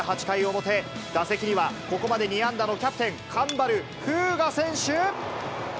８回表、打席にはここまで２安打のキャプテン、上原風雅選手。